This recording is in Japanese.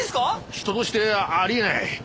人としてあり得ない。